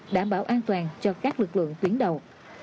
đảm bảo an toàn cho các lực lượng tuyến đầu